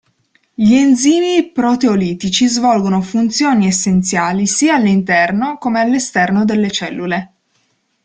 Gli enzimi proteolitici svolgono funzioni essenziali sia all'interno come all'esterno delle cellule.